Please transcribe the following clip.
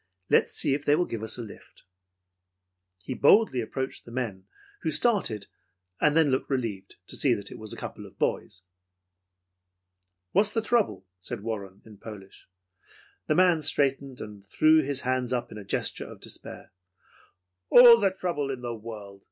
Let's see if they will give us a lift." He boldly approached the men, who started, then looked relieved to see that it was a couple of boys. "What's the trouble?" said Warren in Polish. The man straightened, and threw his hands up in a gesture of despair. "All the trouble in the world!"